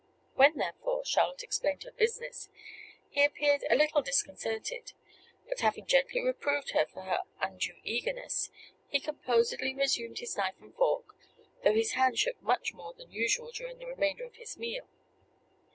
When, therefore, Charlotte explained her business, he appeared a little disconcerted; but having gently reproved her for her undue eagerness, he composedly resumed his knife and fork, though his hand shook much more than usual during the remainder of his meal.